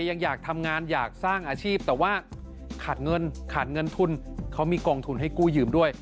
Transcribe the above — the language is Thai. ยังอยากทำงานอยากสร้างอาชีพแต่ว่าขาดเงินขาดเงินทุนเขามีกองทุนให้กู้ยืมด้วย